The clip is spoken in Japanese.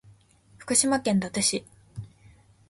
福島県伊達市